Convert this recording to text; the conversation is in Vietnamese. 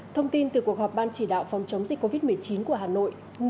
thông tin từ cuộc họp ban chỉ đạo phòng chống dịch covid một mươi chín của hà nội